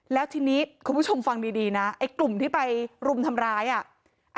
แล้วทีนี้คุณผู้ชมฟังดีดีนะไอ้กลุ่มที่ไปรุมทำร้ายอ่ะ